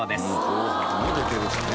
『紅白』も出てるしね。